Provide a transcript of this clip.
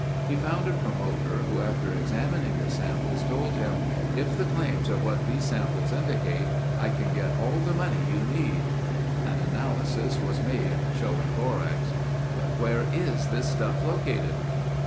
He found a promoter who after examining the samples, told him, "If the claims are what these samples indicate, I can get all the money you need...." An analysis was made showing borax. "But where is this stuff located?"